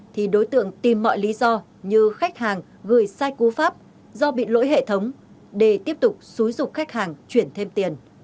thì đối tượng tìm mọi lý do như khách hàng gửi sai cú pháp do bị lỗi hệ thống để tiếp tục xúi dục khách hàng chuyển thêm tiền